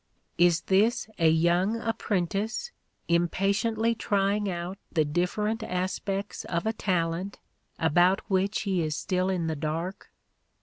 Is this a young apprentice, iippatiently trying out the different aspects of a talent about which he is still in the dark?